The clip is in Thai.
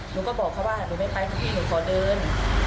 หนูก็บอกเค้าว่าหนูไม่ไปหนูขอเดิน